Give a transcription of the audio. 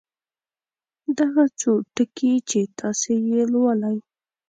دغه څو ټکي چې تاسې یې لولئ.